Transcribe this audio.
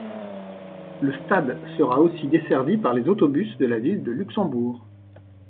Le stade sera aussi desservi par les autobus de la ville de Luxembourg.